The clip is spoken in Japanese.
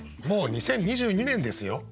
もう２０２２年ですよ。